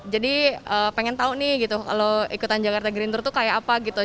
jadi pengen tau nih gitu kalau ikutan jakarta green tour tuh kayak apa gitu